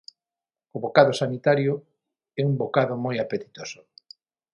O bocado sanitario é un bocado moi apetitoso.